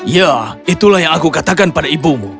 ya itulah yang aku katakan pada ibumu